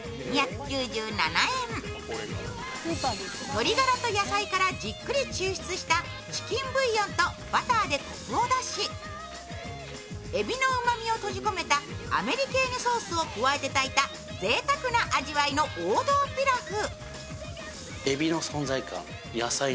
鶏ガラと野菜からじっくり抽出したチキンブイヨンとバターでコクを出しエビのうまみを閉じ込めたアメリケーヌソースを加えて炊いたぜいたくな味わいの王道ピラフ。